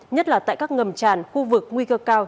nhất là tại các ngầm tràn khu vực nguy cơ cao